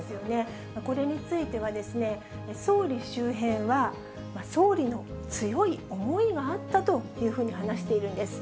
これについては、総理周辺は、総理の強い思いがあったというふうに話しているんです。